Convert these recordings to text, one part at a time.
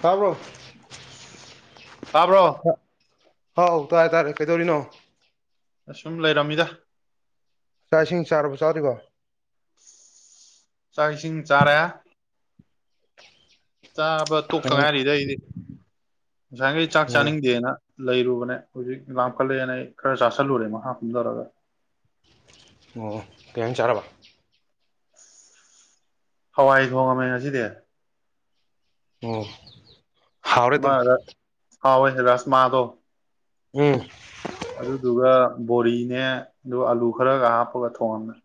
ꯇꯥꯕ꯭ꯔꯣ ꯇꯥꯕ꯭ꯔꯣ ꯍꯥꯎ ꯇꯥꯔꯦ ꯇꯥꯔꯦ ꯀꯩꯗꯧꯔꯤꯅꯣ ꯑꯁꯨꯝ ꯂꯩꯔꯝꯃꯤꯗ ꯆꯥꯛ ꯏꯁꯤꯡ ꯆꯥꯔꯕ ꯆꯥꯗꯔꯤꯕꯣ ꯆꯥꯛ ꯏꯁꯤꯡ ꯆꯥꯔꯦ ꯆꯥꯕ ꯇꯣꯛꯇ ꯑꯣ ꯉꯥꯏꯔꯤꯗ ꯑꯩꯗꯤ ꯉꯁꯥꯏꯈꯩ ꯆꯥꯛ ꯑꯣ ꯆꯥꯅꯤꯡꯗꯦꯅ ꯂꯩꯔꯨꯕꯅꯦ ꯍꯧꯖꯤꯛ ꯂꯥꯞꯈꯠꯂꯛꯑꯦꯅ ꯑꯩ ꯈꯔ ꯆꯥꯥꯁꯜꯂꯨꯔꯦ ꯃꯈꯥ ꯀꯨꯝꯊꯔꯒ ꯑꯣ ꯀꯧ ꯍꯦꯟꯖꯥꯡ ꯆꯥꯔꯕ ꯍꯋꯥꯏ ꯊꯣꯡꯉꯝꯃꯦ ꯉꯁꯤꯗꯤ ꯑꫭ ꯑꯃꯗ [unintelligible] ꯍꯥꯎꯋꯤ ꯔꯥꯁ ꯃꯥꯗꯣ ꯎꯝ ꯑꯗꯨꯗꯨꯒ ꯕꯣꯔꯤꯅꯦ ꯑꯗꯨꯒ ꯑꯂꯨ ꯈꯔꯒ ꯍꯥꯞꯄꯒ ꯊꯣꯡꯉꯝꯃꯦ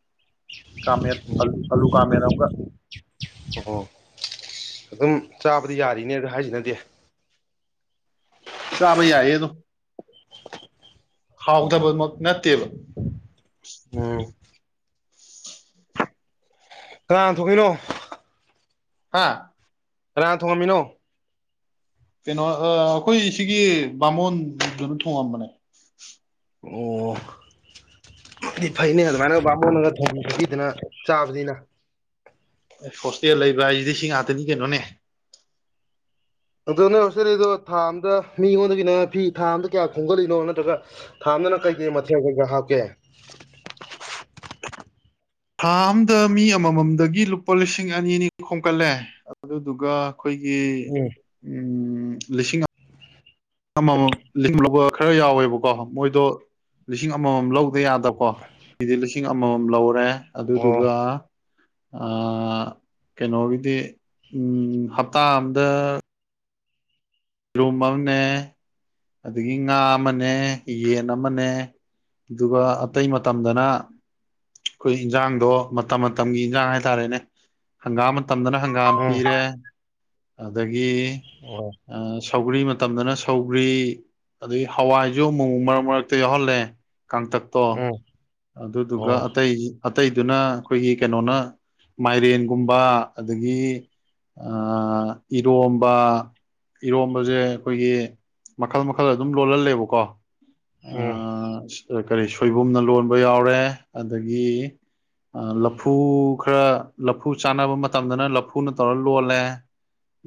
ꯀꯡꯃꯦꯠ ꯑꯂꯨ ꯑꯂꯨ ꯀꯥꯡꯃꯦꯠ ꯑꯝꯒ ꯑꯣ ꯑꯗꯨꯝ ꯆꯥꯕꯗꯤ ꯌꯥꯔꯤꯅꯦ ꯑꯗꯨ ꯍꯥꯏꯖꯤꯅꯗꯤ ꯆꯥꯕ ꯌꯥꯏꯌꯦ ꯑꯗꯨꯝ ꯑꯣ ꯍꯥꯎꯇꯕꯃꯛ ꯅꯠꯇꯦꯕ ꯑꯝ ꯀꯅꯥ ꯊꯣꯡꯗꯣꯏꯅꯣ ꯍꯥꯥ ꯀꯥꯅꯥꯅ ꯊꯣꯡꯉꯝꯃꯤꯅꯣ ꯀꯩꯅꯣ ꯑ ꯑꯩꯈꯣꯏ ꯁꯤꯒꯤ ꯕꯥꯃꯣꯟꯗꯨꯅ ꯊꯣꯡꯉꯝꯕꯅꯦ ꯑꯣ ꯅꫭꯏꯗꯤ ꯐꯩꯅꯦ ꯑꯗꯨꯃꯥꯏꯅꯒ ꯕꯥꯃꯣꯟꯅꯒ ꯊꯣꯡꯉꯝꯃꯤꯗꯨꯗꯤ ꯑꯗꯨꯅ ꯆꯥꯕꯗꯤꯅ ꯍꯣꯁꯇꯦꯜ ꯂꯩꯕ ꯍꯥꯏꯁꯤꯗꯤ ꯁꯤ ꯉꯥꯛꯇꯅꯤ ꯀꯩꯅꯣꯅꯦ ꯑꯗꯣ ꯅꯣꯏ ꯍꯣꯁꯇꯦꯜ ꯂꯩꯗꯣ ꯊꯥ ꯑꯝꯗ ꯃꯤꯉꯣꯟꯗꯒꯤꯅ ꯐꯤ ꯊꯥ ꯑꯝꯗ ꯀꯌꯥ ꯈꯣꯝꯒꯠꯂꯤꯅꯣ ꯅꯠꯇ꯭ꯔꯒ ꯊꯥ ꯑꯝꯃꯗꯅ ꯀꯩꯀꯩ ꯃꯊꯦꯜ ꯀꯩꯀꯥ ꯍꯥꯞꯀꯦ ꯊꯥ ꯑꯝꯗ ꯃꯤ ꯑꯃꯃꯝꯗꯒꯤ ꯂꯨꯄꯥ ꯂꯤꯁꯤꯡ ꯑꯅꯤ ꯑꯅꯤ ꯈꯣꯝꯀꯠꯂꯦ ꯑꯗꯨꯗꯨꯒ ꯑꯩꯈꯣꯏꯒꯤ ꯎꯝ ꯎꯝ ꯂꯤꯁꯤꯡ ꯑꯃꯃꯝ [unintelligible] ꯂꯧꯕ ꯈꯔ ꯌꯥꯎꯋꯦꯕꯀꯣ ꯃꯣꯏꯗꯣ ꯂꯤꯁꯤꯡ ꯑꯃꯃꯝ ꯂꯧ ꯌꯥꯗꯕꯀꯣ ꯃꯤꯗꯤ ꯂꯤꯁꯤꯡ ꯑꯃꯃꯝ ꯂꯧꯔꯦ ꯑꯣ ꯑꯗꯨꯗꯨꯒ ꯑ ꯀꯩꯅꯣꯒꯤꯗꯤ ꯎꯝ ꯍꯞꯇꯥ ꯑꯝꯗ ꯏꯔꯣꯟꯕ ꯑꯃꯅꯦ ꯑꯗꯒꯤ ꯉꯥ ꯑꯃꯅꯦ ꯌꯦꯟ ꯑꯃꯅꯦ ꯑꯗꯨꯒ ꯑꯇꯩ ꯃꯇꯝꯗꯅ ꯑꯩꯈꯣꯏ ꯏꯟꯖꯥꯡꯗꯣ ꯃꯇꯝ ꯃꯇꯝꯒꯤ ꯏꯟꯖꯥꯡ ꯍꯥꯏꯇꯥꯔꯦꯅꯦ ꯍꯪꯒꯥ ꯃꯇꯝꯗꯅ ꯍꯪ ꯍꯪꯒꯥꯝ ꯎꯝ ꯄꯤꯔꯦ ꯑꯗꯒꯤ ꯑꯣ ꯁꯧꯒ꯭ꯔꯤ ꯃꯇꯝꯗꯅ ꯁꯧꯒ꯭ꯔꯤ ꯑꯗꯒꯤ ꯍꯋꯥꯏꯁꯨ ꯑꯃꯨꯛ ꯃꯔꯛ ꯃꯔꯛꯇ ꯌꯥꯎꯍꯜꯂꯦ ꯀꯥꯡꯇꯛ ꯇꯣ ꯎꯝ ꯑꯗꯨꯗꯨꯒ ꯑꯣ ꯑꯇꯩ ꯑꯇꯩꯗꯨꯅ ꯑꯩꯈꯣꯏꯒꯤ ꯀꯩꯅꯣꯅ ꯃꯥꯏꯔꯦꯟꯒꯨꯝꯕ ꯑꯗꯒꯤ ꯑ ꯏꯔꯣꯝꯕ ꯏꯔꯣꯝꯕꯁꯦ ꯑꯩꯈꯣꯏꯒꯤ ꯃꯈꯜ ꯃꯈꯜ ꯑꯗꯨꯝ ꯂꯣꯜꯍꯜꯂꯦꯕꯀꯣ ꯎꯝ ꯀꯔꯤ ꯁꯣꯏꯕꯨꯝꯅ ꯂꯣꯟꯕ ꯌꯥꯎꯔꯦ ꯑꯗꯒꯤ ꯂꯐꯨ ꯈꯔ ꯂꯐꯨ ꯆꯥꯟꯅꯕ ꯃꯇꯝꯗꯅ ꯂꯐꯨꯅ ꯇꯧꯔ ꯂꯣꯜꯂꯦ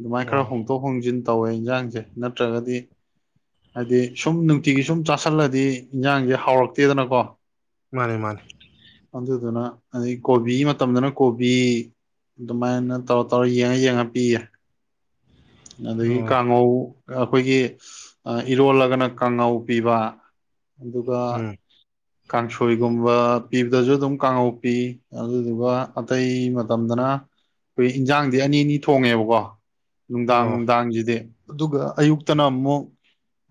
ꯑꯗꯨꯃꯥꯏꯅ ꯑꯣ ꯈꯔ ꯍꯣꯡꯗꯣꯛ ꯍꯣꯡꯖꯤꯟ ꯇꯧꯋꯦ ꯏꯟꯁꯥꯡꯁꯦ ꯅꯠꯇ꯭ꯔꯒꯗꯤ ꯍꯥꯏꯗꯤ ꯁꯨꯝ ꯅꯨꯡꯇꯤꯒꯤ ꯁꯨꯝ ꯆꯥꯥꯁꯜꯂꯗꯤ ꯏꯟꯁꯥꯡꯁꯦ ꯍꯥꯎꯔꯛꯇꯦꯗꯅꯀꯣ ꯃꯥꯅꯦ ꯃꯥꯅꯦ ꯑꯗꯨꯗꯨꯅ ꯑꯗꯩ ꯀꯣꯕꯤ ꯃꯇꯝꯗꯅ ꯀꯣꯕꯤ ꯑꯗꯨꯃꯥꯏꯅ ꯇꯧꯔ ꯇꯧꯔ ꯌꯦꯡꯉ ꯌꯦꯡꯉ ꯄꯤꯌꯦ ꯑꯗꯒꯤ ꯑꯣ ꯀꯥꯡꯉꯧ ꯑ ꯑꯩꯈꯣꯏꯒꯤ ꯏꯔꯣꯜꯂꯒꯅ ꯀꯥꯡꯉꯧ ꯄꯤꯕ ꯑꯗꯨꯒ ꯎꯝ ꯀꯥꯡꯁꯣꯏꯒꯨꯝꯕ ꯄꯤꯕꯗꯁꯨ ꯑꯗꯨꯝ ꯀꯥꯡꯍꯧꯄꯤ ꯑꯗꯨꯗꯨꯒ ꯑꯇꯩ ꯃꯇꯝꯗꯅ ꯑꯩꯈꯣꯏ ꯏꯟꯖꯥꯡꯗꯤ ꯑꯅꯤ ꯑꯅꯤ ꯊꯣꯡꯉꯦꯕꯀꯣ ꯅꯨꯡꯗꯥꯡ ꯑꯣ ꯅꯨꯡꯗꯥꯡꯖꯤꯗꯤ ꯑꯗꯨꯒ ꯑꯌꯨꯛꯇꯅ ꯑꯃꯨꯛ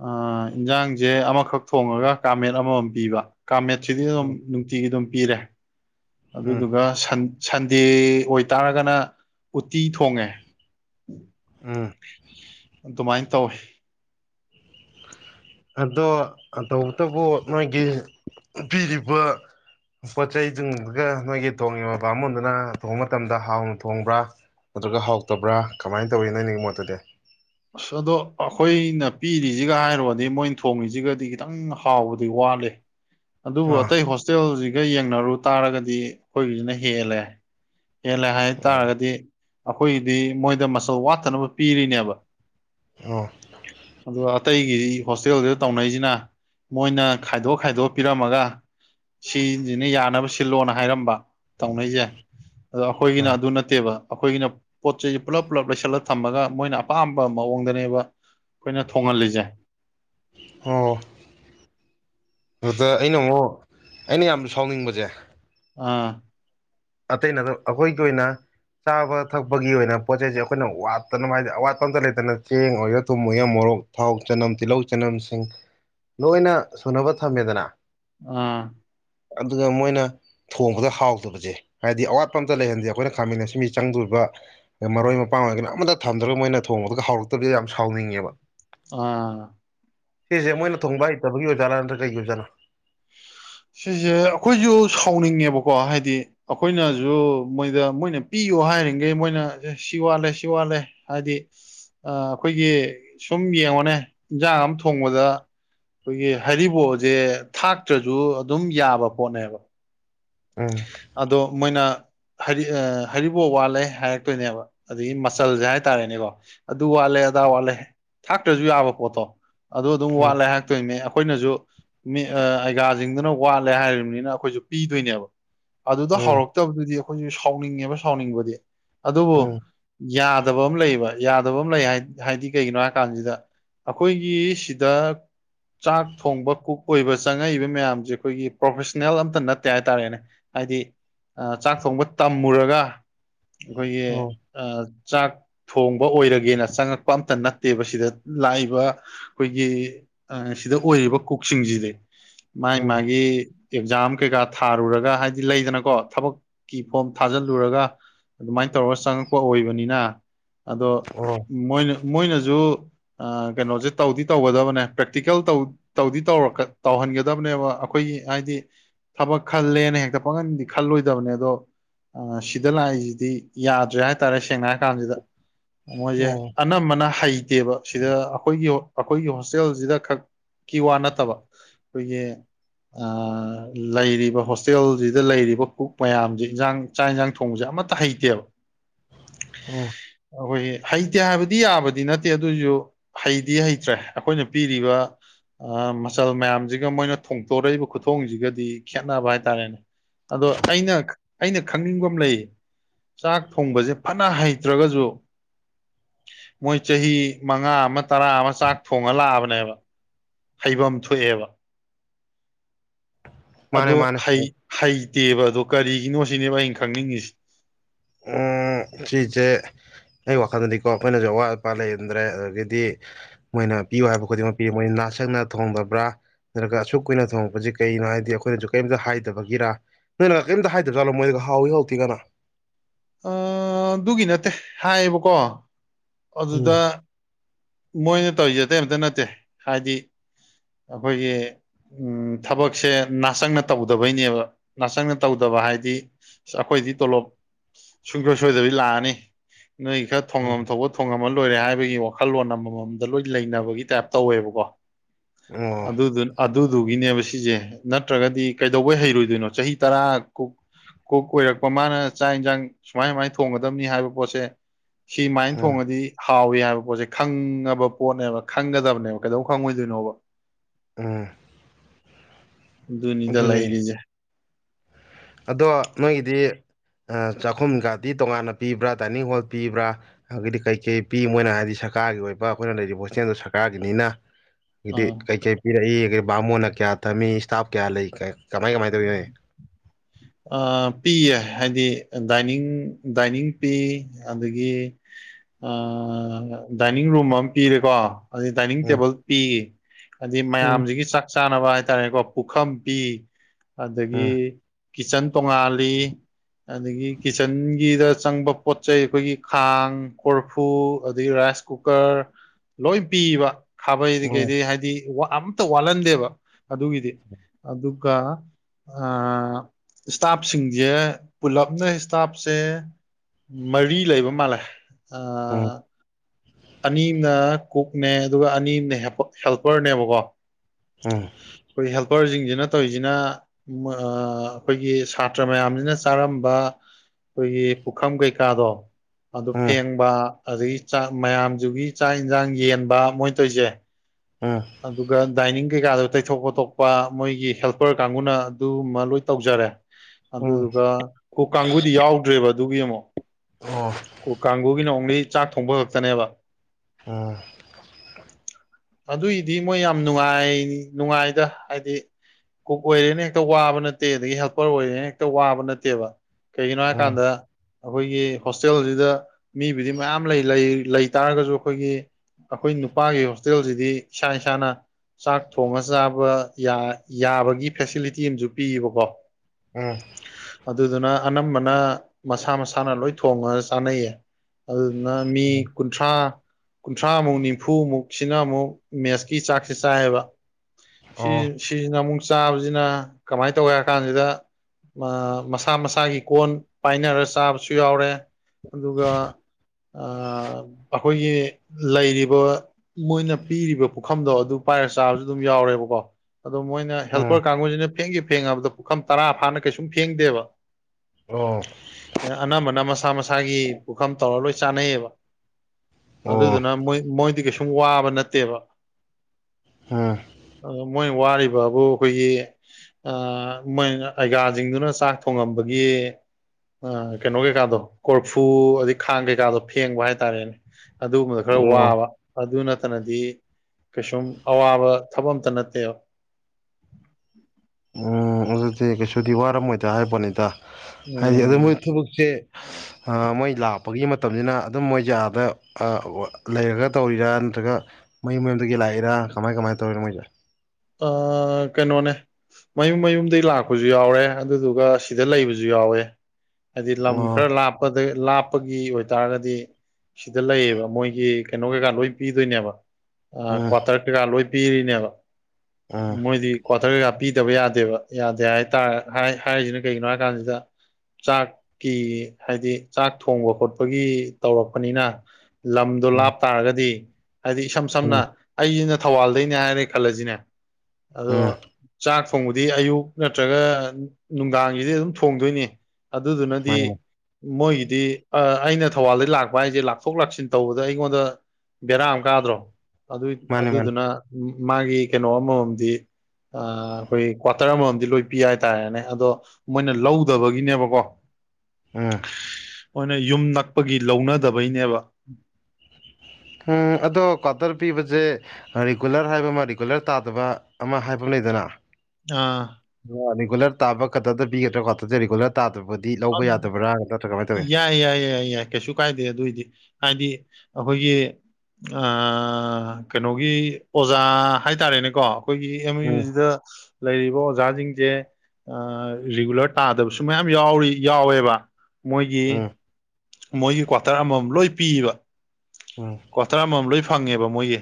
ꯑ ꯏꯟꯖꯥꯡꯁꯦ ꯑꯃꯈꯛ ꯊꯣꯡꯉꯒ ꯈꯥꯃꯦꯟ ꯑꯃꯃꯝ ꯄꯤꯕ ꯀꯥꯃꯦꯠꯁꯤꯗꯤ ꯑꯗꯨꯝ ꯅꯨꯡꯇꯤꯒꯤ ꯑꯗꯨꯝ ꯄꯤꯔꯦ ꯎꯝ ꯑꯗꯨꯗꯨꯒ ꯁꯟꯗꯦ ꯁꯟꯗꯦ ꯑꯣꯏꯇꯥꯔꯒꯅ ꯎꯠꯇꯤ ꯊꯣꯡꯉꯦ ꯎꯝ ꯑꯗꯨꯃꯥꯏꯅ ꯇꯧꯋꯦ ꯑꯗꯣ ꯇꯧꯕꯇꯕꯨ ꯃꯣꯏꯒꯤ ꯄꯤꯔꯤꯕ ꯄꯣꯠ ꯆꯩꯁꯤꯡꯗꯨꯒ ꯅꯣꯏꯒꯤ ꯊꯣꯡꯉꯤꯕ ꯕꯥꯃꯣꯟꯗꯨꯅ ꯊꯣꯡꯕ ꯃꯇꯝꯗ ꯍꯥꯎꯅ ꯊꯣꯡꯕ꯭ꯔꯥ ꯑꯗꯨꯒ ꯍꯥꯎꯇꯕ꯭ꯔꯥ ꯀꯃꯥꯏꯅ ꯇꯧꯋꯤ ꯅꯪ ꯅꯪꯒꯤ ꯃꯣꯠꯇꯗꯤ ꯑꯁ ꯑꯗꯣ ꯑꯩꯈꯣꯏꯅ ꯄꯤꯔꯤꯁꯤꯒ ꯍꯥꯏꯔꯨꯔꯗꯤ ꯃꯣꯏꯅ ꯊꯣꯡꯉꯤꯁꯤꯒꯗꯤ ꯈꯤꯇꯪ ꯍꯥꯎꯕꯗꯤ ꯋꯥꯠꯂꯤ [inaudible] ꯑꯗꯨꯕꯨ ꯑꯇꯩ ꯍꯣꯁꯇꯦꯜꯁꯤꯒ ꯌꯦꯡꯅꯔꯨ ꯇꯥꯔꯒꯗꯤ ꯑꯩꯈꯣꯏꯒꯤꯁꯤꯅ ꯍꯦꯜꯂꯦ ꯍꯦꯜꯂꯦ ꯑꯣ ꯍꯥꯏꯇꯥꯥꯔꯒꯗꯤ ꯑꯩꯈꯣꯏꯒꯤꯗꯤ ꯃꯣꯏꯗ ꯃꯆꯜ ꯋꯥꯠꯇꯅꯕ ꯄꯤꯔꯤꯅꯦꯕ ꯑꫭ ꯑꯗꯨꯒ ꯑꯇꯩꯒꯤ ꯍꯣꯁꯇꯦꯜꯗꯒ ꯇꯧꯅꯩꯖꯤ ꯃꯣꯏꯅ ꯈꯥꯏꯗꯣꯛ ꯈꯥꯏꯗꯣꯛ ꯄꯤꯔꯝꯃꯒ ꯁꯤꯁꯤꯅ ꯌꯥꯅꯕ ꯁꯤꯜꯂꯣꯅ ꯍꯥꯏꯔꯝꯕ ꯇꯧꯅꯩꯁꯦ ꯑꯗꯣ ꯑꯩꯈꯣꯏꯒꯤꯅ ꯑꯥ ꯑꯗꯨ ꯅꯠꯇ ꯅꯠꯇꯦꯕ ꯑꯩꯈꯣꯏꯒꯤꯅ ꯄꯣꯠ ꯆꯩꯁꯤ ꯄꯨꯂꯞ ꯄꯨꯂꯞ ꯂꯩꯁꯤꯜꯂꯒ ꯊꯝꯃꯒ ꯃꯣꯏꯅ ꯑꯄꯥꯝ ꯕ ꯃꯑꯣꯡꯗꯅꯦꯕ ꯑꯩꯈꯣꯏꯅ ꯊꯣꯡꯍꯜꯂꯤꯖꯦ ꯑꯣ ꯑꯗꯨꯗ ꯑꯩꯅ ꯑꯃꯨꯛ ꯑꯩꯅ ꯌꯥꯝ ꯁꯥꯎꯅꯤꯡꯕꯁꯦ ꯑꯥ ꯑꯇꯩ ꯅꯠꯇꯕ ꯑꯩꯈꯣꯏꯒꯤ ꯑꯣꯏꯅ ꯆꯥꯕ ꯊꯛꯄꯒꯤ ꯑꯣꯏꯅ ꯄꯣꯠ ꯆꯩꯩꯁꯦ ꯑꯩꯈꯣꯏꯅ ꯋꯥꯠꯇꯅꯕ ꯍꯥꯏꯗꯤ ꯑꯋꯥꯠꯄ ꯑꯃꯇ ꯂꯩꯇꯅ ꯆꯦꯡ ꯑꯣꯏꯒꯦꯔꯥ ꯊꯨꯝ ꯑꯣꯏꯔꯣ ꯃꯣꯔꯣꯛ ꯊꯥꯎ ꯆꯅꯝ ꯇꯤꯜꯍꯧ ꯆꯅꯝꯁꯤꯡ ꯂꯣꯏꯅ ꯁꯨꯅꯕ ꯊꯝꯃꯦꯗꯅ ꯑꯥ ꯑꯗꯨꯒ ꯃꯣꯏꯅ ꯊꯣꯡꯕꯗ ꯍꯥꯎꯇꯕꯖꯦ ꯍꯥꯏꯗꯤ ꯑꯋꯥꯠꯄ ꯑꯝꯇ ꯂꯩꯍꯟꯗꯦ ꯑꯩꯈꯣꯏꯅ ꯈꯥꯃꯤꯟ ꯑꯁꯤꯟꯕꯤ ꯆꯪꯗꯣꯔꯤꯕ ꯃꯔꯣꯏ ꯃꯄꯥꯡ ꯑꯣꯏꯒꯅ ꯑꯃꯗ ꯊꯝꯗ꯭ꯔꯒ ꯃꯣꯏꯅ ꯊꯣꯡꯕꯗꯨꯒ ꯍꯧꯔꯛꯇꯕꯤꯗ ꯌꯥꯝ ꯁꯥꯎꯅꯤꯡꯉꯦꯕ ꯑꯥ ꯁꯤꯁꯦ ꯃꯣꯏꯅ ꯊꯣꯡꯕ ꯍꯩꯇꯕꯒꯤ ꯑꯣꯏꯖꯥꯠꯂ ꯅꯠꯇ꯭ꯔꯒ ꯀꯩꯒꯤ ꯑꯣꯖꯥꯠꯅꯣ ꯁꯤꯁꯦ ꯑꯩꯈꯣꯏꯖꯨ ꯁꯥꯎꯅꯤꯡꯉꯦꯕꯀꯣ ꯍꯥꯏꯗꯤ ꯑꯩꯈꯣꯏꯅꯁꯖꯨ ꯃꯣꯏꯗ ꯃꯣꯏꯅ ꯄꯤꯌꯨ ꯍꯥꯏꯔꯤꯒꯩ ꯃꯣꯏꯅ ꯁꯤ ꯋꯥꯠꯂꯦ ꯁꯤ ꯋꯥꯠꯂꯦ ꯍꯥꯏꯗꯤ ꯑꯥ ꯑꯩꯈꯣꯏꯒꯤ ꯁꯨꯝ ꯌꯦꯡꯉꯣꯅꯦ ꯏꯟꯁꯥꯡ ꯑꯃ ꯊꯣꯡꯕꯗ ꯑꯩꯈꯣꯏꯒꯤ ꯍꯔꯤꯕꯣꯞꯁꯦ ꯊꯥꯛꯇ꯭ꯔꯖꯨ ꯑꯗꯨꯝ ꯌꯥꯕ ꯄꯣꯠꯅꯦꯕ ꯎꯝ ꯑꯗꯣ ꯃꯣꯏꯅ ꯍꯔꯤ-ꯑꯥ-ꯍꯔꯤꯕꯣ ꯋꯥꯠꯂꯦ ꯍꯥꯏꯔꯛꯇꯣꯏꯅꯦꯕ ꯑꯗꯒꯤ ꯃꯆꯜꯖꯦ ꯍꯥꯏꯇꯥꯔꯦꯅꯦꯀꯣ ꯑꯗꯨ ꯋꯥꯠꯂꯦ ꯑꯗꯥ ꯋꯥꯠꯂꯦ ꯊꯥꯛꯇ꯭ꯔꯖꯨ ꯌꯥꯕ ꯄꯣꯠꯇꯣ ꯑꯗꯨ ꯑꯗꯨꯝ ꯋꯥꯠꯂꯦ ꯇꯣꯏꯅꯦ ꯑꯩꯈꯣꯏꯅꯖꯨ ꯃꯤ ꯑꯥ ꯑꯩꯒꯥꯁꯤꯡꯗꯨꯅ ꯋꯥꯠꯂꯦ ꯍꯥꯏꯔꯤꯝꯅꯤꯅ ꯑꯩꯈꯣꯏꯁꯨ ꯄꯤꯗꯣꯏꯅꯦꯕ ꯑꯗꯨꯗ ꯎꯝ ꯍꯧꯔꯛꯇꯕꯗꯨꯗꯤ ꯑꯩꯈꯣꯏꯖꯨ ꯁꯥꯎꯅꯤꯡꯉꯦꯕ ꯁꯥꯎꯅꯤꯡꯕꯗꯤ ꯑꯗꯨꯕꯨ ꯌꯥꯗꯕ ꯑꯃ ꯂꯩꯌꯦꯕ ꯌꯥꯗꯕ ꯑꯃ ꯂꯩ ꯍꯥꯏꯗꯤ ꯀꯩꯒꯤꯅꯣ ꯍꯥꯏ ꯀꯥꯟꯖꯤꯗ ꯑꯩꯈꯣꯏꯒꯤ ꯁꯤꯗ ꯆꯥꯛ ꯊꯣꯡꯕ ꯀꯨꯛ ꯑꯣꯏꯕ ꯆꯪꯉꯛꯏꯕ ꯃꯌꯥꯝꯖꯦ ꯑꯩꯈꯣꯏꯒꯤ ꯄ꯭ꯔꯣꯐꯦꯁꯅꯦꯜ ꯑꯝꯇ ꯅꯠꯇꯦ ꯍꯥꯏꯇꯥꯔꯦꯅꯦ ꯍꯥꯏꯗꯤ ꯑꯥ ꯆꯥꯛ ꯊꯣꯡꯕ ꯇꯝꯃꯨꯔꯒ ꯑꯩꯈꯣꯏꯒꯤ ꯎꯝ ꯆꯥꯛ ꯊꯣꯡꯕ ꯑꯣꯏꯔꯒꯦꯅ ꯆꯪꯉꯛꯄ ꯑꯝꯇ ꯅꯠꯇꯦꯕ ꯁꯤꯗ ꯂꯥꯛꯏꯕ ꯈꯣꯏꯒꯤ ꯑ ꯁꯤꯗ ꯑꯣꯏꯔꯤꯕ ꯀꯨꯛꯁꯤꯡꯖꯤꯗꯤ ꯎꯝ ꯃꯥꯥꯏ ꯎꯝ ꯃꯥꯒꯤ ꯑꯦꯛꯖꯥꯝ ꯀꯩꯀꯥ ꯊꯥꯔꯨꯔꯒ ꯍꯥꯏꯗꯤ ꯂꯩꯗꯅꯀꯣ ꯊꯕꯛꯀꯤ ꯐꯣꯝ ꯊꯥꯖꯤꯜꯂꯨꯔꯒ ꯑꯗꯨꯃꯥꯏꯅ ꯇꯧꯔꯒ ꯆꯪꯉꯛꯄ ꯑꯣꯏꯕꯅꯤꯅ ꯑꯗꯣ ꯎꯝ ꯑꯣ ꯃꯣꯏꯅ ꯃꯣꯏꯅꯖꯨ ꯀꯩꯅꯣꯖꯦ ꯇꯧꯗꯤ ꯇꯧꯒꯗꯕꯅꯦ ꯄ꯭ꯔꯦꯛꯇꯤꯀꯦꯜ ꯇꯧ ꯇꯧꯗꯤ ꯇꯧꯔꯛꯀꯥ ꯇꯧꯍꯟꯒꯗꯕꯅꯦꯕ ꯑꯩꯈꯣꯏꯒꯤ ꯍꯥꯏꯗꯤ ꯊꯕꯛ ꯈꯜꯂꯦꯅ ꯍꯦꯛ ꯌꯥꯝ ꯄꯥꯛꯅꯗꯤ ꯈꯜꯂꯣꯏꯗꯕꯅꯦ ꯑꯗꯣ ꯁꯤꯗ ꯂꯥꯛꯏꯖꯤꯗꯤ ꯌꯥꯗ꯭ꯔꯦ ꯍꯥꯏꯇꯥꯔꯦ ꯁꯦꯡꯅ ꯍꯥꯏꯔꯀꯥꯟꯖꯤꯗ ꯃꯣꯏꯖꯦ ꯎꯝ ꯑꯅꯝꯕꯅ ꯍꯩꯇꯦꯕ ꯁꯤꯗ ꯑꯩꯈꯣꯏꯒꯤ ꯑꯩꯈꯣꯏꯒꯤ ꯍꯣꯁꯇꯦꯜꯖꯤꯗ ꯈꯛꯀꯤ ꯋꯥ ꯅꯠꯇꯕ ꯑꯩꯈꯣꯏꯒꯤ ꯑꯥ ꯂꯩꯔꯤꯕ ꯍꯣꯁꯇꯦꯜ ꯁꯤꯗ ꯂꯩꯔꯤꯕ ꯀꯨꯛ ꯃꯌꯥꯝꯖꯦ ꯍꯤꯟꯖꯥꯡ ꯆꯥꯛ ꯏꯟꯖꯡ ꯊꯣꯡꯕꯁꯦ ꯑꯃꯠꯇ ꯍꯩꯇꯦꯕ ꯎꯝ ꯑꯈꯣꯏꯒꯤ ꯍꯩꯇꯦ ꯍꯥꯏꯕꯗꯤ ꯌꯥꯕꯗꯤ ꯅꯠꯇꯦ ꯑꯗꯣꯏꯖꯨ ꯍꯩꯗꯤ ꯍꯩꯇ꯭ꯔꯦ ꯑꯩꯈꯣꯏꯅ ꯄꯤꯔꯤꯕ ꯃꯆꯜ ꯃꯌꯥꯝꯖꯤꯒ ꯃꯣꯏꯅ ꯊꯣꯡꯇꯣꯔꯛꯏꯕ ꯈꯨꯊꯣꯡꯁꯤꯒꯗꯤ ꯈꯦꯠꯅꯕ ꯍꯥꯏꯇꯥꯔꯦꯅꯦ ꯑꯗꯣ ꯑꯩꯅ ꯑꯩꯅ ꯈꯪꯅꯤꯡꯕ ꯑꯃ ꯂꯩ ꯆꯥꯛ ꯊꯣꯡꯕꯖꯦ ꯐꯅ ꯍꯩꯇ꯭ꯔꯒꯖꯨ ꯃꯣꯏ ꯆꯍꯤ ꯃꯉꯥ ꯑꯃ ꯇꯔꯥ ꯑꯃ ꯆꯥꯛ ꯊꯣꯡꯉ ꯂꯥꯛꯑꯕꯅꯦꯕ ꯍꯩꯕꯝ ꯊꯣꯛꯑꯦꯕ ꯃꯥꯅꯦ ꯑꯗꯣ ꯃꯥꯅꯦ ꯍꯩ ꯍꯩꯇꯦꯕ ꯑꯗꯣ ꯀꯔꯤꯒꯤꯅꯣ ꯁꯤꯅꯦꯕ ꯑꯩꯅ ꯈꯪꯅꯤꯡꯉꯤꯁꯤ ꯎꯝ ꯁꯤꯖꯦ ꯑꯩ ꯋꯥꯈꯜꯗꯗꯤꯀꯣ ꯑꯩꯈꯣꯏꯅꯖꯨ ꯑꯋꯥꯠ ꯑꯄꯥ ꯂꯩꯍꯟꯗ꯭ꯔꯦ ꯑꯗꯒꯤꯗꯤ ꯃꯣꯏꯅ ꯄꯤꯌꯨ ꯍꯥꯏꯕ ꯈꯨꯗꯤꯡꯃꯛ ꯄꯤ ꯃꯣꯏ ꯅꯥꯆꯟꯅ ꯊꯣꯡꯗꯕ꯭ꯔꯥ ꯅꯠꯇ꯭ꯔꯒ ꯑꯁꯨꯛ ꯀꯨꯏꯅ ꯊꯣꯡꯉꯛꯄꯖꯤ ꯀꯩꯒꯤꯅꯣ ꯍꯥꯏꯗꯤ ꯑꯩꯈꯣꯏꯅꯖꯨ ꯀꯩꯝꯇ ꯍꯥꯏꯗꯕꯒꯤꯔꯥ ꯅꯣꯏꯅꯒ ꯀꯩꯝꯇ ꯍꯥꯏꯗꯕ ꯖꯥꯠꯂꯣ ꯍꯥꯎꯏ ꯍꯥꯎꯇꯦꯒꯅ ꯑꯥ ꯑꯗꯨꯒꯤ ꯅꯠꯇꯦ ꯍꯥꯏꯌꯦꯕꯀꯣ ꯑꯗꯨꯗ ꯎꯝ ꯃꯣꯏꯅ ꯇꯧꯏꯖꯦ ꯑꯇꯩ ꯑꯝꯇ ꯅꯠꯇꯦ ꯍꯥꯏꯗꯤ ꯑꯩꯈꯣꯏꯒꯤ ꯎꯝ ꯊꯕꯛꯁꯦ ꯅꯥꯆꯪꯅ ꯇꯧꯗꯕꯩꯅꯦꯕ ꯅꯥꯆꯪꯅ ꯇꯧꯗꯕ ꯍꯥꯏꯗꯤ ꯑꯩꯈꯣꯏꯗꯤ ꯇꯣꯂꯣꯞ ꯁꯨꯡꯁꯣꯏ ꯁꯣꯏꯗꯕꯤ ꯂꯥꯛꯑꯅꯤ ꯅꯣꯏꯒꯤ ꯈꯔ ꯎꯝ ꯊꯣꯡꯉꯝ ꯊꯣꯛꯄ ꯊꯣꯉꯝꯃ ꯂꯣꯏꯔꯦ ꯍꯥꯏꯕꯒꯤ ꯋꯥꯈꯜꯂꯣꯟ ꯑꯃꯝꯃꯝꯗ ꯂꯣꯏ ꯂꯩꯅꯕꯒꯤ ꯇꯥꯏꯞ ꯇꯧꯋꯦꯕꯀꯣ ꯑꯣ ꯑꯗꯨꯗꯨꯟ ꯑꯗꯨꯗꯨꯒꯤꯅꯦꯕ ꯁꯤꯖꯦ ꯅꯠꯇ꯭ꯔꯒꯗꯤ ꯀꯩꯗꯧꯕꯩ ꯍꯩꯔꯣꯏꯗꯣꯏꯅꯣ ꯆꯍꯤ ꯇꯔꯥ ꯀꯨꯛ ꯀꯨꯛ ꯑꯣꯏꯔꯛꯄ ꯃꯥꯅ ꯆꯥꯛ ꯏꯟꯖꯥꯡ ꯁꯨꯃꯥꯏ ꯁꯨꯃꯥꯏꯅ ꯊꯣꯡꯒꯗꯕꯅꯤ ꯍꯥꯏꯕ ꯄꯣꯠꯁꯦ ꯁꯤ ꯃꯥꯏꯟ ꯎꯝ ꯊꯣꯡꯉꯗꯤ ꯍꯥꯎꯏ ꯍꯥꯏꯕ ꯄꯣꯠꯁꯦ ꯈꯪꯉꯕ ꯄꯣꯠꯅꯦꯕ ꯈꯪꯒꯗꯕꯅꯦꯕ ꯀꯩꯗꯧ ꯈꯪꯉꯣꯏꯗꯣꯏꯅꯣꯕ ꯎꯝ ꯑꯗꯨꯅꯤꯗ ꯑꯗꯨꯅꯤꯅꯦ ꯂꯩꯔꯤꯖꯦ ꯑꯗꯣ ꯅꯣꯏꯒꯤꯗꯤ ꯑ ꯆꯥꯛꯈꯨꯝꯒꯗꯤ ꯇꯣꯉꯥꯟꯅ ꯄꯤꯕ꯭ꯔꯥ ꯗꯥꯏꯅꯤꯡ ꯍꯣꯜ ꯄꯤꯕ꯭ꯔꯥ ꯑꯒꯤꯗꯤ ꯀꯩꯀꯩ ꯄꯤ ꯃꯣꯏꯅ ꯍꯥꯏꯗꯤ ꯁꯔꯀꯥꯔꯒꯤ ꯑꯣꯏꯕ ꯑꯩꯈꯣꯏꯅ ꯂꯩꯔꯤꯕ ꯍꯣꯁꯇꯦꯜꯗꯣ ꯁꯔꯀꯥꯔꯒꯤꯅꯤꯅ ꯍꯥꯏꯗꯤ ꯑꯥ ꯀꯩꯀꯩ ꯄꯤꯔꯛꯏ ꯑ ꯕꯥꯃꯣꯟꯅ ꯀꯌꯥ ꯊꯝꯃꯤ ꯏꯁꯇꯥꯐ ꯀꯌꯥ ꯂꯩ [unintelligible] ꯀꯃꯥꯏ ꯀꯃꯥꯏꯅ ꯇꯧꯏ ꯅꯣꯏ [inaudible] ꯑ ꯄꯤꯌꯦ ꯍꯥꯏꯗꯤ ꯗꯥꯏꯅꯤꯡ ꯗꯥꯏꯅꯤꯡ ꯄꯤ ꯑꯗꯒꯤ ꯑ ꯗꯥꯏꯅꯤꯡ ꯔꯨꯝ ꯑꯃ ꯄꯤꯔꯦꯀꯣ ꯑꯗꯩ ꯗꯥꯏꯅꯤꯡ ꯎꯝ ꯇꯦꯕꯜ ꯄꯤ ꯑꯗꯤ ꯎꯝ ꯃꯌꯥꯝꯖꯤꯒꯤ ꯆꯥꯛ ꯆꯥꯅꯕ ꯍꯥꯏꯇꯥꯔꯦꯀꯣ ꯄꯨꯈꯝ ꯄꯤ ꯑꯗꯒꯤ ꯀꯤꯆꯟ ꯇꯣꯉꯥꯜꯂꯤ ꯑꯗꯒꯤ ꯀꯤꯠꯆꯟꯒꯤꯗ ꯆꯪꯕ ꯄꯣꯠ ꯆꯩ ꯑꯩꯈꯣꯏꯒꯤ ꯈꯥꯡ ꯀꯣꯔꯐꯨ ꯑꯗꯒꯤ ꯔꯥꯏꯁ ꯀꯨꯀꯔ ꯂꯣꯏ ꯄꯤꯕ ꯈꯥꯕꯩꯗꯤ ꯎꯝ ꯀꯩꯗꯩ ꯍꯥꯏꯗꯤ ꯋꯥ ꯑꯝꯇ ꯋꯥꯠꯍꯟꯗꯦꯕ ꯑꯗꯨꯒꯤꯗꯤ ꯑꯗꯨ ꯒ ꯑ ꯏꯁꯇꯥꯞꯁꯤꯡꯖꯦ ꯄꯨꯂꯞꯅ ꯏꯁꯇꯥꯞꯁꯦ ꯃꯔꯤ ꯂꯩꯕ ꯃꯥꯜꯂꯦ ꯎꯝ ꯑꯥ ꯑꯅꯤꯝꯅ ꯀꯨꯛꯅꯦ ꯑꯗꯨꯒ ꯑꯅꯤꯝꯅ ꯍꯦꯞꯄ ꯍꯦꯜꯄꯔꯅꯦꯕꯀꯣ ꯎꯝ ꯑꯩꯈꯣꯏ ꯍꯦꯜꯄꯔꯖꯤꯡꯖꯤꯅ ꯇꯧꯏꯖꯤꯅ ꯑ ꯑꯩꯈꯣꯏꯒꯤ ꯁꯥꯇ꯭ꯔ ꯃꯌꯥꯝꯖꯤꯅ ꯆꯥꯔꯝꯕ ꯑꯩꯈꯣꯏꯒꯤ ꯄꯨꯈꯝ ꯀꯩꯀꯥꯗꯣ ꯑꯗꯨ ꯎꯝ ꯐꯦꯡꯕ ꯑꯗꯒꯤ ꯆꯥꯛ ꯃꯌꯥꯝꯖꯤꯒꯤ ꯆꯥꯛ ꯏꯟꯖꯥꯡ ꯌꯦꯟꯕ ꯃꯣꯏ ꯇꯧꯏꯖꯦ ꯎꯝ ꯑꯗꯨꯒ ꯗꯥꯏꯅꯤꯡ ꯀꯩꯀꯥꯗꯣ ꯇꯩꯊꯣꯛ ꯈꯣꯇꯣꯛꯄ ꯃꯣꯏꯒꯤ ꯍꯦꯜꯄꯔ ꯀꯥꯡꯕꯨꯅ ꯑꯗꯨꯝꯃ ꯂꯣꯏ ꯇꯧꯖꯔꯦ ꯎꯝ ꯑꯣ ꯎꯝ ꯎꯝ ꯎꯝ ꯎꯝ ꯑꯣ ꯎꯝ ꯑꯣ ꯑꯗꯨꯗꯨꯒ ꯀꯨꯛ ꯀꯥꯡꯕꯨꯗꯤ ꯌꯥꯎꯗ꯭ꯔꯦꯕ ꯑꯗꯨꯒꯤ ꯑꯃꯨꯛ ꯀꯨꯛ ꯀꯥꯡꯒꯨꯒꯤꯅ ꯑꯣꯡꯂꯤ ꯆꯥꯛ ꯊꯣꯡꯕ ꯈꯛꯇꯅꯦꯕ ꯑꯥ ꯑꯗꯨꯏꯗꯤ ꯃꯣꯏ ꯌꯥꯝ ꯅꯨꯡꯉꯥꯏ ꯅꯨꯡꯉꯥꯏꯗ ꯍꯥꯏꯗꯤ ꯀꯨꯛ ꯑꯣꯏꯔꯦꯅ ꯍꯦꯛꯇ ꯋꯥꯕ ꯅꯠꯇꯦ ꯑꯗꯒꯤ ꯍꯦꯜꯄꯔ ꯑꯣꯏꯔꯦꯅ ꯍꯦꯛꯇ ꯋꯥꯕ ꯅꯠꯇꯦꯕ ꯀꯩꯒꯤꯅꯣ ꯍꯥꯏꯀꯥꯟꯗ ꯑꯩꯈꯣꯏꯒꯤ ꯍꯣꯁꯇꯦꯜꯖꯤꯗ ꯃꯤꯕꯨꯗꯤ ꯃꯌꯥꯝ ꯂꯩ ꯂꯩ ꯂꯩ ꯇꯥꯔꯒꯖꯨ ꯑꯩꯈꯣꯏꯒꯤ ꯑꯩꯈꯣꯏ ꯅꯨꯄꯥꯒꯤ ꯍꯣꯁꯇꯦꯜꯖꯤꯗꯤ ꯏꯁꯥ ꯏꯁꯥꯅ ꯆꯥꯛ ꯊꯣꯡꯉ ꯆꯥꯕ ꯌꯥ ꯌꯥꯕꯒꯤ ꯐꯦꯁꯤꯂꯤꯇꯤ ꯑꯃꯖꯨ ꯄꯤꯕꯀꯣ ꯎꯝ ꯑꯗꯨꯗꯨꯅ ꯑꯅꯝꯕꯅ ꯃꯁꯥ ꯃꯁꯥꯅ ꯂꯣꯏ ꯊꯣꯡꯉꯒ ꯆꯥꯅꯩꯌꯦ ꯑꯗꯨꯗꯨꯅ ꯃꯤ ꯀꯨꯟꯊ꯭ꯔꯥ ꯀꯨꯟꯊ꯭ꯔꯥꯃꯨꯛ ꯅꯤꯐꯨꯃꯨꯛꯁꯤꯅ ꯑꯃꯨꯛ ꯃꯦꯁꯀꯤ ꯆꯥꯛꯁꯦ ꯆꯥꯏꯕ ꯁꯤ ꯁꯤꯁꯤꯅ ꯑꯃꯨꯛ ꯆꯥꯕꯁꯤꯅ ꯀꯃꯥꯏꯅ ꯇꯧꯒꯦ ꯍꯥꯏ ꯀꯥꯟꯁꯤꯗ ꯃꯁꯥ ꯃꯁꯥꯒꯤ ꯀꯣꯟ ꯄꯥꯏꯅꯔꯒ ꯆꯥꯕꯁꯨ ꯌꯥꯎꯔꯦ ꯑꯗꯨꯒ ꯑ ꯑꯩꯈꯣꯏꯒꯤ ꯂꯩꯔꯤꯕ ꯃꯣꯏꯅ ꯄꯤꯔꯤꯕ ꯄꯨꯈꯝꯗꯣ ꯑꯗꯨ ꯄꯥꯏꯔ ꯆꯥꯔꯁꯨ ꯑꯗꯨꯝ ꯌꯥꯎꯔꯦꯕꯀꯣ ꯑꯗꯣ ꯃꯣꯏꯅ ꯍꯦꯜꯄꯔ ꯀꯥꯡꯒꯨꯁꯤꯅ ꯐꯦꯡꯒꯦ ꯐꯦꯡꯉꯕꯗ ꯄꯨꯈꯝ ꯇꯔꯥ ꯐꯥꯅ ꯀꯩꯁꯨꯝ ꯐꯦꯡꯗꯦꯕ ꯑꯣ ꯑꯅꯝꯕꯅ ꯃꯁꯥ ꯃꯁꯥꯒꯤ ꯄꯨꯈꯝ ꯇꯧꯔꯒ ꯂꯣꯏ ꯆꯥꯅꯩꯌꯦꯕ ꯑꯣ ꯑꯗꯨꯗꯨꯅ ꯃꯣꯏ ꯃꯣꯏꯗꯤ ꯀꯩꯁꯨꯝ ꯋꯥꯕ ꯅꯠꯇꯦꯕ ꯍꯝ ꯑ ꯃꯣꯏ ꯋꯥꯔꯤꯕꯕꯨ ꯑꯩꯈꯣꯏꯒꯤ ꯑ ꯃꯣꯏ ꯑꯩꯒꯥꯁꯤꯡꯗꯨꯅ ꯆꯥꯛ ꯊꯣꯡꯉꯝꯕꯒꯤ ꯀꯩꯅꯣ ꯀꯩꯀꯥꯗꯣ ꯀꯣꯔꯐꯨ ꯑꯗꯩ ꯈꯥꯡ ꯀꯩꯀꯥꯗꯣ ꯐꯦꯡꯕ ꯍꯥꯏꯇꯥꯔꯦꯅꯦ ꯑꯗꯨꯒꯨꯝꯕꯗ ꯎꯝ ꯈꯔ ꯑꯣ ꯋꯥꯕ ꯑꯗꯨ ꯅꯠꯇꯅꯗꯤ [unintelligible] ꯀꯩꯁꯨꯝ ꯑꯋꯥꯕ ꯊꯕꯛ ꯑꯝꯇ ꯅꯠꯇꯦꯕ ꯎꯝ ꯑꯗꯨꯗꯤ ꯀꯩꯁꯨꯗꯤ ꯋꯥꯔꯝꯃꯣꯏꯗ ꯍꯥꯏꯕꯅꯤꯗ ꯍꯥꯏꯗꯤ ꯑꯗ ꯎꯝ ꯃꯣꯏ ꯊꯕꯛꯁꯦ ꯑ ꯃꯣꯏ ꯂꯥꯛꯄꯒꯤ ꯃꯇꯝꯅꯤꯁꯤꯅ ꯑꯗꯨꯝ ꯃꯣꯏꯖꯦ ꯑꯥꯗ ꯂꯩꯔꯒ ꯇꯧꯔꯤꯔꯥ ꯅꯠꯇ꯭ꯔꯒ ꯃꯌꯨꯝ ꯃꯌꯨꯝꯗꯒꯤ ꯂꯥꯛꯏꯔꯥ ꯀꯃꯥꯏ ꯀꯃꯥꯏꯅ ꯇꯧꯔꯤꯅꯣ ꯃꯣꯏꯁꯦ ꯑ ꯀꯩꯅꯣꯅꯦ ꯃꯌꯨꯝ ꯃꯌꯨꯝꯗꯒꯤ ꯂꯥꯛꯄꯁꯨ ꯌꯥꯎꯔꯦ ꯑꯗꯨꯗꯨꯒ ꯁꯤꯗ ꯂꯩꯕꯁꯨ ꯌꯥꯎꯋꯦ ꯍꯥꯏꯗꯤ ꯂꯝ ꯑꯣ ꯈꯔ ꯂꯥꯞꯄꯗ ꯂꯥꯞꯄꯒꯤ ꯑꯣꯏꯇꯥꯔꯒꯗꯤ ꯁꯤꯗ ꯂꯩꯌꯦꯕ ꯃꯣꯏꯒꯤ ꯀꯩꯅꯣ ꯀꯩꯀꯥ ꯂꯣꯏ ꯄꯤꯗꯣꯏꯅꯦꯕ ꯎꯝ ꯀ꯭ꯋꯥꯇꯔ ꯀꯩꯀꯥ ꯂꯣꯏ ꯄꯤꯔꯤꯅꯦꯕ ꯎꯝ ꯃꯣꯏꯗꯤ ꯀ꯭ꯋꯥꯇꯔ ꯀꯩꯀꯥ ꯄꯤꯗꯕ ꯌꯥꯗꯦꯕ ꯌꯥꯗꯦ ꯍꯥꯏꯇꯥꯔ ꯍꯥꯏꯔꯤꯁꯤꯅ ꯀꯩꯒꯤꯅꯣ ꯍꯥꯏ ꯀꯥꯟꯁꯤꯗ ꯆꯥꯛꯀꯤ ꯍꯥꯏꯗꯤ ꯆꯥꯛ ꯊꯣꯡꯕ ꯈꯣꯠꯄꯒꯤ ꯇꯧꯔꯛꯄꯅꯤꯅ ꯂꯝꯗꯣ ꯎꯝ ꯂꯥꯞ ꯇꯥꯔꯒꯗꯤ ꯍꯥꯏꯗꯤ ꯏꯁꯝ ꯁꯝꯅ ꯎꯝ ꯑꯩꯁꯤꯅ ꯊꯧꯕꯥꯜꯗꯩꯅꯦ ꯍꯥꯏꯔꯦ ꯈꯜꯂꯁꯤꯅꯦ ꯑꯗꯣ ꯎꯝ ꯆꯥꯛ ꯊꯣꯡꯕꯗꯤ ꯑꯌꯨꯛ ꯅꯠꯇ꯭ꯔꯒ ꯅꯨꯡꯗꯥꯡꯒꯤꯗꯤ ꯑꯗꯨꯝ ꯊꯣꯡꯗꯣꯏꯅꯤ ꯑꯗꯨꯗꯨꯅꯗꯤ ꯃꯥꯅꯤ ꯃꯣꯏꯒꯤꯗꯤ ꯑ ꯑꯩꯅ ꯊꯧꯕꯥꯜꯗꯩ ꯂꯥꯛꯄ ꯍꯥꯏꯁꯦ ꯂꯥꯛꯊꯣꯛ ꯂꯥꯛꯁꯤꯟ ꯇꯧꯕꯗ ꯑꯩꯉꯣꯟꯗ ꯕꯦꯔꯥ ꯑꯃ ꯀꯥꯗ꯭ꯔꯣ ꯑꯗꯨꯏ ꯃꯥꯅꯤ ꯃꯥꯅꯤ ꯑꯗꯨꯗꯨꯅ ꯃꯥꯒꯤ ꯀꯩꯅꯣ ꯑꯃꯃꯝꯗꯤ ꯑ ꯑꯩꯈꯣꯏ ꯀ꯭ꯋꯥꯇꯔ ꯑꯃꯃꯝꯗꯤ ꯂꯣꯏ ꯄꯤ ꯍꯥꯏꯇꯥꯔꯦꯅꯦ ꯑꯗꯣ ꯃꯣꯏꯅ ꯂꯧꯗꯕꯒꯤꯅꯦꯕꯀꯣ ꯎꯝ ꯃꯣꯏꯅ ꯌꯨꯝ ꯅꯛꯄꯒꯤ ꯂꯧꯅꯗꯕꯩꯅꯦꯕ ꯎꯝ ꯑꯗꯣ ꯀ꯭ꯋꯥꯇꯔ ꯄꯤꯕꯁꯦ ꯔꯤꯒꯨꯂꯔ ꯍꯥꯏꯕ ꯑꯃ ꯔꯤꯒꯨꯂꯔ ꯇꯥꯗꯕ ꯑꯃ ꯍꯥꯏꯕ ꯑꯃ ꯂꯩꯗꯅ ꯑꯥ ꯑꯣ ꯔꯤꯒꯨꯂꯔ ꯇꯥꯕ ꯈꯛꯇꯗ ꯄꯤꯒꯗ꯭ꯔꯥꯀꯣ ꯔꯤꯒꯨꯂꯔ ꯇꯥꯗ꯭ꯔꯕꯗꯤ ꯂꯧꯕ ꯌꯥꯗꯕ꯭ꯔꯥ ꯅꯠꯇ꯭ꯔꯥ ꯀꯃꯥꯏꯅ ꯇꯧꯋꯤ ꯌꯥꯏ ꯌꯥꯏ ꯌꯥꯏ ꯑ ꯀꯩꯁꯨ ꯀꯥꯏꯗꯦ ꯑꯗꯨꯏꯗꯤ ꯍꯥꯏꯗꯤ ꯑꯩꯈꯣꯏꯒꯤ ꯀꯩꯅꯣꯒꯤ ꯑꯣꯖꯥ ꯍꯥꯏꯇꯥꯔꯦꯅꯦꯀꯣ ꯑꯩꯈꯣꯏꯒꯤ ꯑꯦꯝ ꯌꯨ ꯎꯝ ꯖꯤꯗ ꯂꯩꯔꯤꯕ ꯑꯣꯖꯥꯁꯤꯡꯁꯦ ꯑ ꯔꯤꯒꯨꯂꯔ ꯇꯥꯗꯕꯁꯨ ꯃꯌꯥꯝ ꯌꯥꯎꯔꯤ ꯌꯥꯎꯋꯦꯕ ꯃꯣꯏꯒꯤ ꯎꯝ ꯃꯣꯏꯒꯤ ꯀ꯭ꯋꯥꯇꯔ ꯑꯃꯃꯝ ꯂꯣꯏ ꯄꯤꯕ ꯎꯝ ꯇꯔꯥ ꯑꯃꯃꯝ ꯂꯣꯏ ꯐꯪꯉꯦꯕ ꯃꯣꯏꯒꯤ